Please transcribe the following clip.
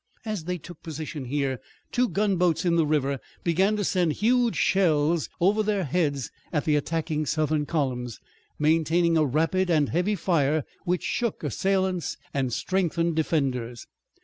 As they took position here two gunboats in the river began to send huge shells over their heads at the attacking Southern columns, maintaining a rapid and heavy fire which shook assailants and strengthened defenders.